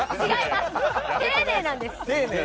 丁寧なんです！